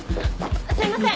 すいません！